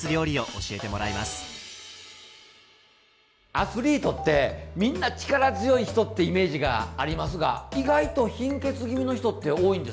アスリートってみんな力強い人ってイメージがありますが意外と貧血気味の人って多いんですよね。